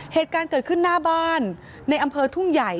เหตุการณ์เกิดขึ้นหน้าบ้านในอำเภอทุ่งใหญ่